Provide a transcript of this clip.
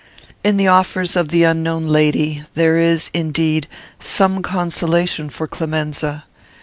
"In the offers of the unknown lady there is, indeed, some consolation for Clemenza.